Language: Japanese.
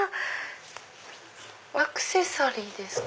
アクセサリーですか？